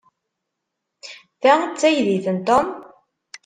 Ta d taydit n Tom?